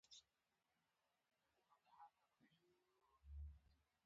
د پکتیکا په جاني خیل کې د کرومایټ نښې شته.